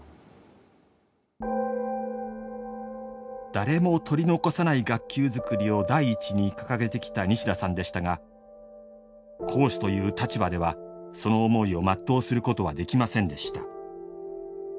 誰も取り残さない学級づくりを第一に掲げてきた西田さんでしたが講師という立場ではその思いを全うすることはできませんでした。